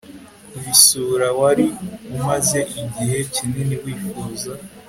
kubisura wari umaze igihe kinini wifuza